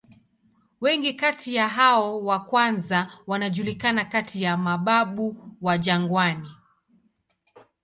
Wengi kati ya hao wa kwanza wanajulikana kati ya "mababu wa jangwani".